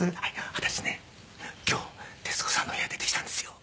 「私ね今日徹子さんの部屋出てきたんですよ」。